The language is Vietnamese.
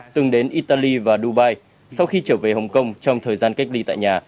từng đến italy và dubai sau khi trở về hồng kông trong thời gian cách ly tại nhà